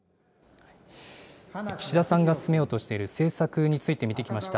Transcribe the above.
岸田さんが進めようとしている政策について見てきました。